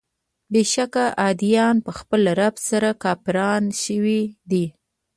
بېشکه عادیان په خپل رب سره کافران شوي دي.